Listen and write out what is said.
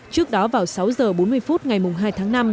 trước đó vào sáu h bốn mươi phút ngày hai tháng năm